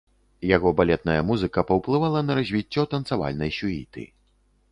Яго балетная музыка паўплывала на развіццё танцавальнай сюіты.